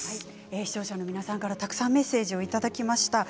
視聴者の皆さんからたくさんメッセージをいただきました。